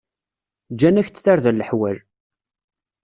Ǧǧan-ak-d tarda leḥwal.